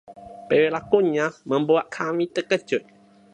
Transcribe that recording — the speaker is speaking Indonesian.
Perilakunya membuat kami terkejut.